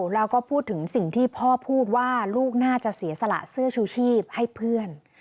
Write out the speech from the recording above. แล้วก็พูดถึงสิ่งที่พ่อพูดว่าลูกน่าจะเสียสละเสื้อชูชีพให้เพื่อน